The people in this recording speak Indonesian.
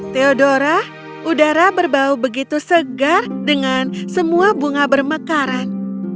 theodora udara berbau begitu segar dengan semua bunga bermekaran